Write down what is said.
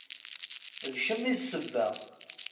D kem i d sseba.